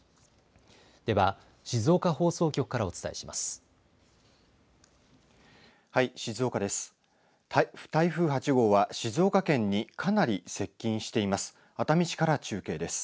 では静岡放送局からお伝えします。